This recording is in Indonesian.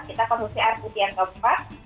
kita produksi air putih yang keempat